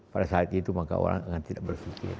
pada saat itu maka orang akan tidak berpikir